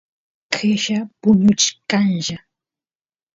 qella puñuchkanlla